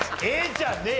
じゃねえ。